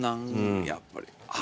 やっぱり赤。